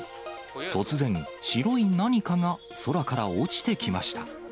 突然、白い何かが空から落ちてきました。